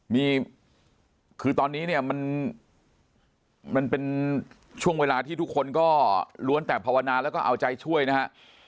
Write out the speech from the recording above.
มีคือตอนนี้เนี่ยมันเป็นช่วงเวลาที่ทุกคนก็ล้วนแต่ภาวนาแล้วก็เอาใจช่วยนะฮะ